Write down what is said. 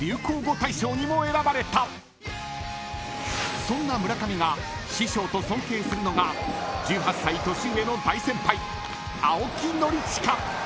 ［そんな村上が師匠と尊敬するのが１８歳年上の大先輩青木宣親］